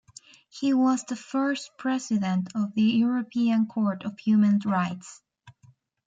He was the first President of the European Court of Human Rights.